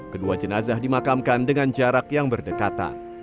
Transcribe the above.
kedua jenazah dimakamkan dengan jarak yang berdekatan